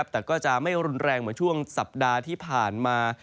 แต่ก็จะไม่รุนแรงเหมือนช่วงสัปดาห์ที่ผ่านมา